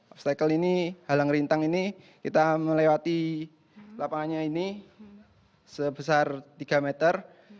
obstacle ini halang rintang ini kita melewati lapangannya ini sebesar tiga meter